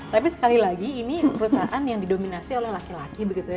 tapi sekali lagi ini perusahaan yang didominasi oleh laki laki begitu ya